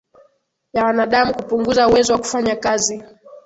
ya wanadamu kupunguza uwezo wa kufanya kazi